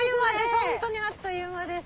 本当にあっという間です。